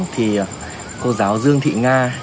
thì cô giáo dương thị nga